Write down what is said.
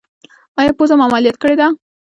ایا پوزه مو عملیات کړې ده؟